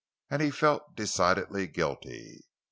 And he felt decidedly guilty.